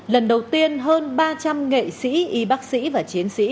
lần đầu tiên hơn ba trăm linh nghệ sĩ y bác sĩ và chiến sĩ